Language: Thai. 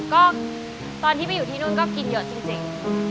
ก็ตอนที่ไปอยู่ที่นู่นก็กินเยอะจริง